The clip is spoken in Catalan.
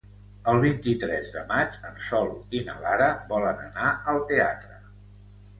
El vint-i-tres de maig en Sol i na Lara volen anar al teatre.